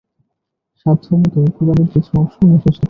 সাধ্যমত কুরআনের কিছু অংশও মুখস্থ করলাম।